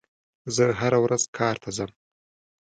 زه هره ورځ کار ته ځم.